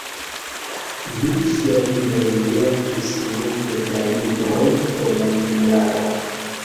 Dum sia vivo li verkis multe da libroj por la junularo.